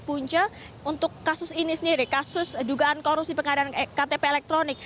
punca untuk kasus ini sendiri kasus dugaan korupsi pengadaan ktp elektronik